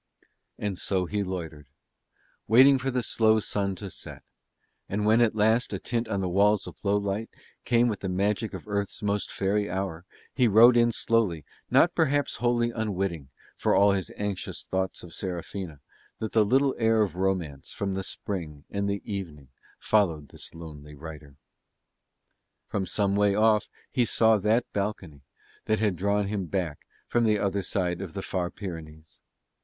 And so he loitered, waiting for the slow sun to set: and when at last a tint on the walls of Lowlight came with the magic of Earth's most faery hour he rode in slowly not perhaps wholly unwitting, for all his anxious thoughts of Serafina, that a little air of romance from the Spring and the evening followed this lonely rider. From some way off he saw that balcony that had drawn him back from the other side of the far Pyrenees.